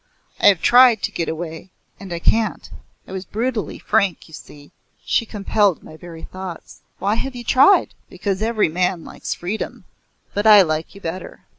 I have tried to get away and I can't." I was brutally frank, you see. She compelled my very thoughts. "Why have you tried?" "Because every man likes freedom. But I like you better."